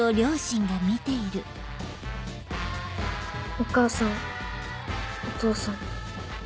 お母さんお父さん。